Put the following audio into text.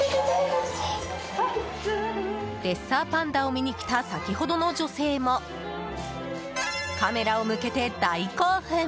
レッサーパンダを見に来た先ほどの女性もカメラを向けて大興奮！